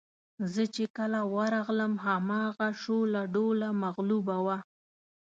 زه چې کله ورغلم هماغه شوله ډوله مغلوبه وه.